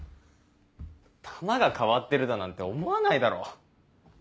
球が替わってるだなんて思わないだろ。